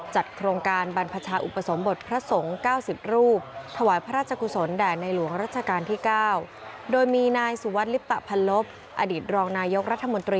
จัดโครงการบรรพชาอุปสมบทพระสงค์เก้าสิบรูป